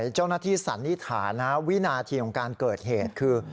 เจ้าหน้าที่สันนิษฐานนะวินาทีของการเกิดเหตุคือ